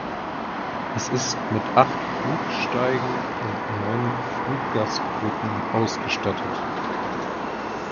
Es ist mit acht Flugsteigen und neun Fluggastbrücken ausgestattet.